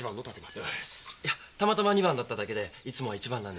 いやたまたま２番だっただけでいつもは１番なんですよ。